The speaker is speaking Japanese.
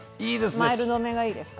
マイルドめがいいですか？